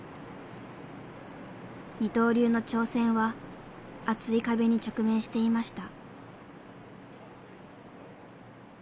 二刀流の挑戦は厚い壁に直面していました。